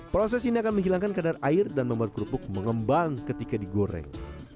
proses ini akan menghilangkan kadar air dan membuat kerupuk mengembang ketika digoreng